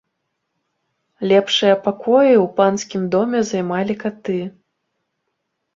Лепшыя пакоі ў панскім доме займалі каты.